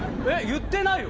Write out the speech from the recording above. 言ってないよ。